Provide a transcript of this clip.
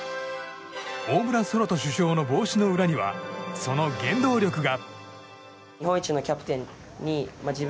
大村昊澄主将の帽子の裏にはその原動力が。